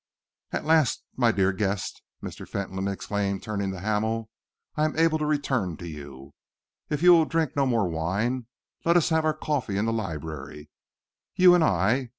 "At last, my dear guest," Mr. Fentolin exclaimed, turning to Hamel, "I am able to return to you. If you will drink no more wine, let us have our coffee in the library, you and I.